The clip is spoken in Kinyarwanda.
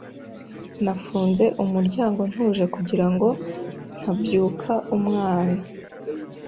Nafunze umuryango ntuje kugira ngo ntabyuka umwana.